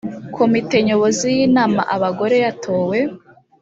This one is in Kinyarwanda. komite nyobozi y’inama abagore yatowe